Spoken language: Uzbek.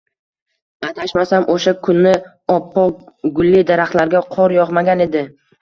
Adashmasam o'sha kuni oppoq gulli daraxtlarga qor yog'magan edi